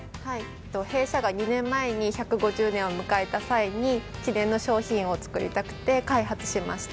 弊社が２年前に１５０周年を迎えた際に記念の商品をつくりたくて開発しました。